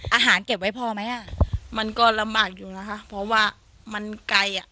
เก็บไว้พอไหมอ่ะมันก็ลำบากอยู่นะคะเพราะว่ามันไกลอ่ะ